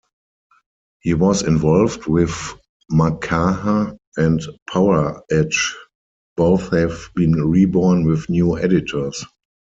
He was involved with Makaha and "Poweredge"; both have been reborn with new editors.